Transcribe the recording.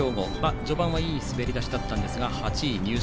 序盤はいい滑り出しだったんですが８位入賞。